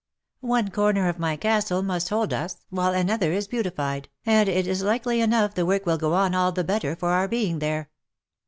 One corner of my castle must hold us, while another is beautified, and it is likely enough the work will go on all the better for our being there."